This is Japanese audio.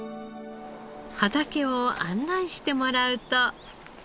畑を案内してもらうと。